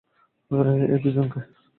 এই দুইজন কে?